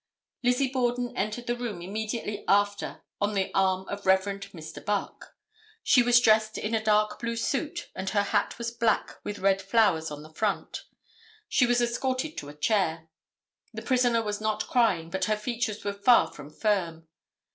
Lizzie Borden entered the room immediately after on the arm of Rev. Mr. Buck. She was dressed in a dark blue suit and her hat was black with red flowers on the front. She was escorted to a chair. The prisoner was not crying, but her features were far from firm.